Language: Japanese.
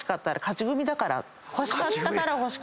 欲しかったから。